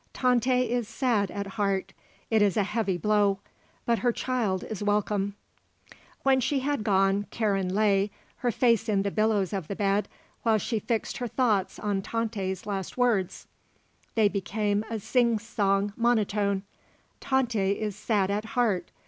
Tante is sad at heart. It is a heavy blow. But her child is welcome." When she had gone Karen lay, her face in the billows of the bed, while she fixed her thoughts on Tante's last words. They became a sing song monotone. "Tante is sad at heart.